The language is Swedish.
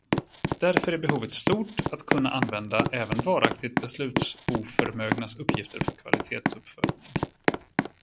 Därför är behovet stort att kunna använda även varaktigt beslutsoförmögnas uppgifter för kvalitetsuppföljning.